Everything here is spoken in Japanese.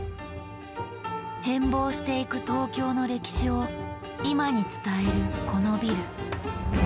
変貌していく東京の歴史を今に伝えるこのビル。